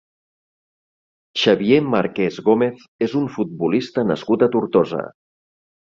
Xavier Marqués Gómez és un futbolista nascut a Tortosa.